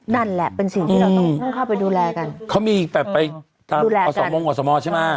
นั่นแหละเป็นสิ่งที่เราต้องต้องเข้าไปดูแลกันเขามีแต่ไปตามดูแลอสมงอสมใช่ไหม